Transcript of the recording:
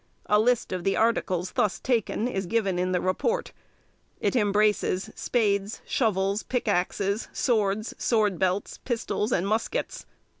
A list of the articles thus taken is given in the report: it embraces spades, shovels, pickaxes, swords, sword belts, pistols and muskets.